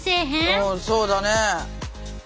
うんそうだね。